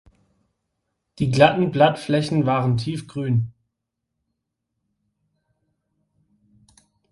Die glatten Blattflächen waren tiefgrün.